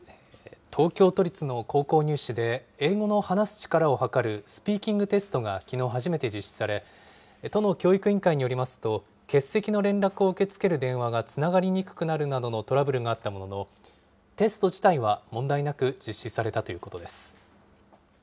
東京都立の高校入試で、英語の話す力をはかるスピーキングテストがきのう初めて実施され、都の教育委員会によりますと、欠席の連絡を受け付ける電話がつながりにくくなるなどのトラブルがあったものの、テスト自体は問題なく実施されたということです。